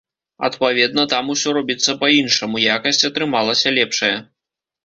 Адпаведна, там усё робіцца па-іншаму, якасць атрымалася лепшая.